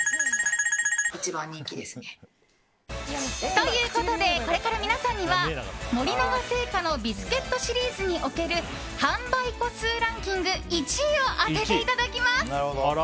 ということでこれから皆さんには森永製菓のビスケットシリーズにおける販売個数ランキング１位を当てていただきます。